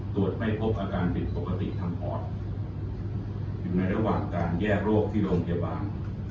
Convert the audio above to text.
ตรวจไม่พบอาการผิดปกติทางปอดอยู่ในระหว่างการแยกโรคที่โรงพยาบาล